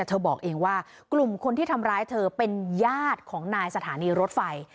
เธอบอกเองว่ากลุ่มคนที่ทำร้ายเธอเป็นญาติของนายสถานีรถไฟ